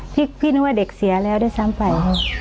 พี่นึกว่าเด็กเสียแล้วด้วยซ้ำไป